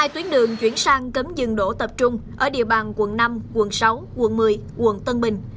một mươi tuyến đường chuyển sang cấm dừng đổ tập trung ở địa bàn quận năm quận sáu quận một mươi quận tân bình